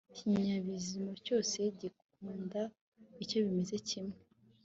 ikinyabuzima cyose gikunda icyo bimeze kimwe